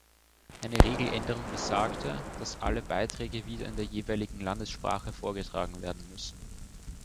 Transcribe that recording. Eine Regeländerung besagte, dass alle Beiträge wieder in der jeweiligen Landessprache vorgetragen werden müssen.